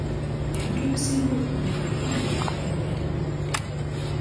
Ebintu ebisinga obungi we yagendera e Bulaaya byali biwedde.